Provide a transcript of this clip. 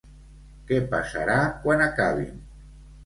Què passarà quan acabin?